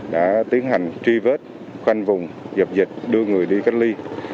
đã tiến hành truy vết khoanh vùng dập dịch đưa người đi cách ly